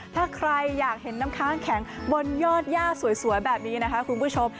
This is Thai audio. ถ้าใครอยากเห็นน้ำค้างแข็งบนยอดย่าสวยแบบนี้นะคะคุณผู้ชม